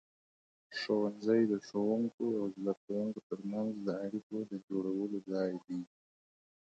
ښوونځی د ښوونکو او زده کوونکو ترمنځ د اړیکو د جوړولو ځای دی.